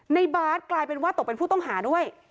บาทกลายเป็นว่าตกเป็นผู้ต้องหาด้วย